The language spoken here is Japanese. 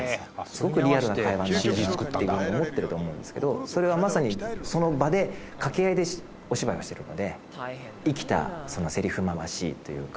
すごくリアルな会話になってるなってみんな思ってると思うんですけどそれは、まさにその場で、掛け合いでお芝居をしているので生きたセリフ回しというか。